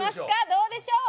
どうでしょう？